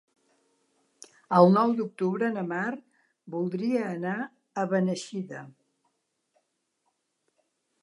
El nou d'octubre na Mar voldria anar a Beneixida.